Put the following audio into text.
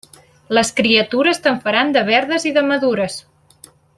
Les criatures te'n faran de verdes i de madures.